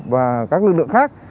và các lực lượng khác